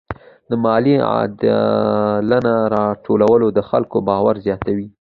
د مالیې عادلانه راټولول د خلکو باور زیاتوي.